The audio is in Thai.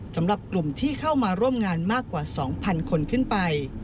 สำหรับกลุ่มที่เข้ามาร่วมงานมากกว่า๒๐๐คนขึ้นไป